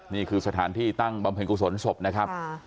นี่คือสถานที่ตั้งบำเพ็ญกุศลศพนะครับ